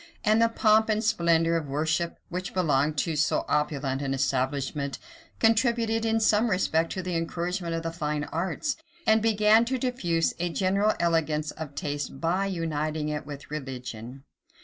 And the pomp and splendor of worship which belonged to so opulent an establishment, contributed in some respect to the encouragement of the fine arts, and began to diffuse a general elegance of taste by uniting it with religion.